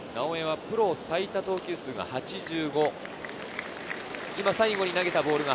直江はプロ最多投球数が８５。